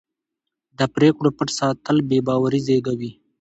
د پرېکړو پټ ساتل بې باوري زېږوي